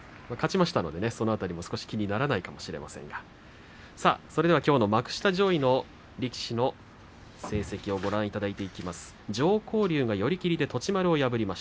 勝ちましたのでその辺りも気にならないかもしれませんが幕下上位の力士の成績をご覧いただきます。